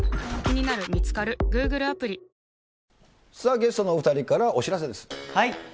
ゲストのお２人からお知らせです。